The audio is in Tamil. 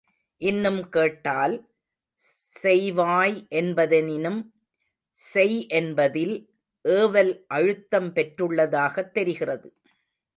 இன்னும் கேட்டால், செய்வாய் என்பதனினும் செய் என்பதில், ஏவல் அழுத்தம் பெற்றுள்ளதாகத் தெரிகிறது.